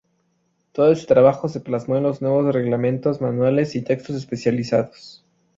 Todo este trabajo se plasmó en los nuevos reglamentos, manuales y textos especializados.